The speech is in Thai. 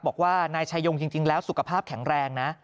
บอกว่านายชายงจริงแล้วสุขภาพแข็งแรงนะ